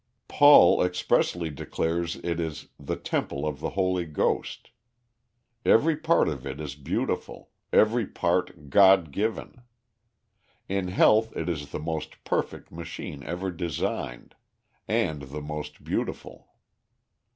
Paul expressly declares it is "the temple of the Holy Ghost." Every part of it is beautiful, every part God given. In health it is the most perfect machine ever designed, and the most beautiful.